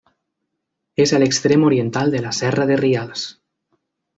És a l'extrem oriental de la Serra de Rials.